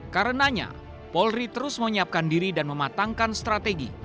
karenanya polri terus menyiapkan diri dan mematangkan strategi